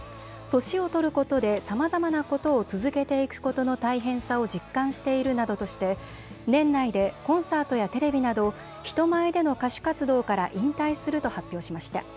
年を取ることでさまざまなことを続けていくことの大変さを実感しているなどとして年内でコンサートやテレビなど人前での歌手活動から引退すると発表しました。